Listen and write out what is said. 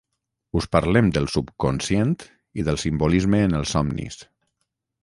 us parlem del subconscient i del simbolisme en els somnis